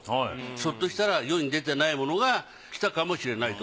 ひょっとしたら世に出てないものがきたかもしれないと。